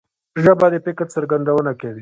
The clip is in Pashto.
ژبه د فکر څرګندونه کوي